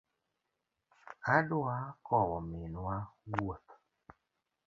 Adwa kowo minwa wuoth